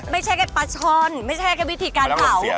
ไม่ใช่แค่ปลาช่อนไม่ใช่แค่วิธีการเผา